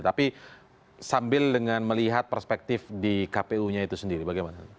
tapi sambil dengan melihat perspektif di kpu nya itu sendiri bagaimana